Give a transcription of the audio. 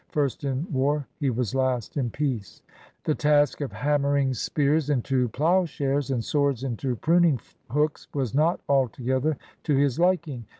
First in war, he was last in peace. The task of hammer SEI6NEUBS OF OLD CANADA 147 ing spears into ploughshares and swords into pnining hooks was not altogether to his liking.